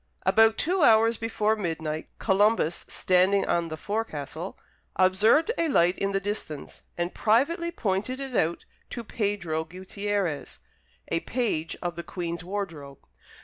About two hours before midnight, Columbus, standing on the forecastle, observed a light in the distance, and privately pointed it out to Pedro Guttierez, a page of the Queen's wardrobe.